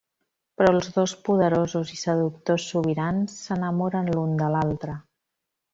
Però els dos poderosos i seductors sobirans s'enamoren l'un de l’altre.